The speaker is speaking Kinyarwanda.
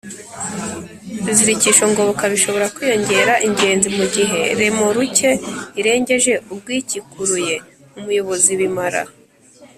ibizirikisho ngoboka bishobora kwiyongera ingenzi mugihe remoruke irengeje ubwikikuruye umuyobozi bimara